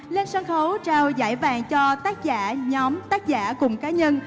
lên sân khấu trao giải vàng cho tác giả nhóm tác giả cùng cá nhân